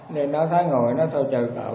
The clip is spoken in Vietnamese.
lên đó thấy ngồi nói thôi chờ cậu